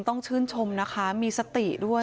ต้องชื่นชมนะคะมีสติด้วย